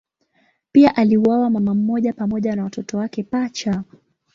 Pia aliuawa mama mmoja pamoja na watoto wake pacha.